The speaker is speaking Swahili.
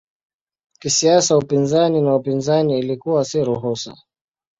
Kisiasa upinzani na upinzani ilikuwa si ruhusa.